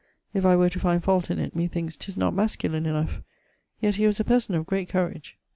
If I were to find a fault in it, methinkes 'tis not masculine enough; yett he was a person of great courage.